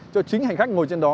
cho chính hành khách ngồi trên đó